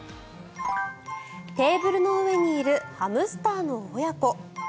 テーブルの上にいるハムスターの親子。